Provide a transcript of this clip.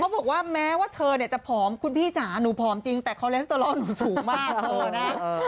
บอกว่าแม้ว่าเธอเนี่ยจะผอมคุณพี่จ๋าหนูผอมจริงแต่คอเลสเตอรอลหนูสูงมาก